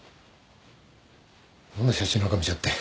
何だ写真なんか見ちゃって。